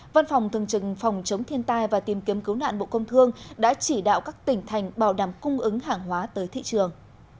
văn phòng thường trừng phòng chống thiên tai và tìm kiếm cứu nạn bộ công thương đã chỉ đạo các tỉnh thành bảo đảm cung ứng hàng hóa tới thị trường